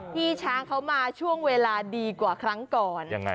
พี่ช้างเขามาช่วงเวลาดีกว่าครั้งก่อน